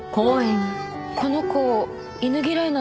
この子犬嫌いなのに。